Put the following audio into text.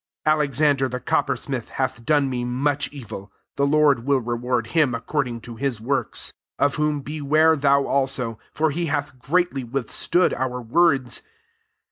14 Alexander the coppersmith hath done me much evil : the Lord will reward him according to his works. 15 Of whom beware thou also ; for he hath greatly withstood our words.